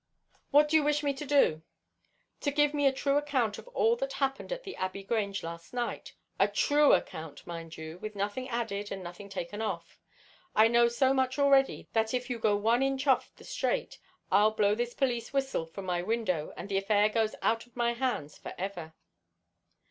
"What do you wish me to do?" "To give me a true account of all that happened at the Abbey Grange last night—a TRUE account, mind you, with nothing added and nothing taken off. I know so much already that if you go one inch off the straight I'll blow this police whistle from my window and the affair goes out of my hands for ever."